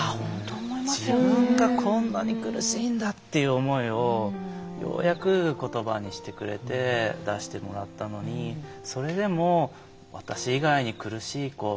自分がこんなに苦しいんだっていう思いをようやく言葉にしてくれて出してもらったのにそれでも私以外に苦しい子いるんじゃないか。